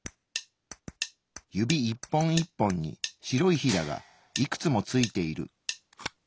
指一本一本に白いヒダがいくつもついている。